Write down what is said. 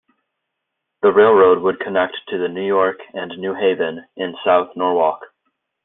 The railroad would connect to the New York and New Haven in South Norwalk.